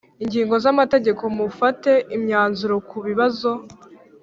ingingo zamategeko mufate imyanzuro ku bibazo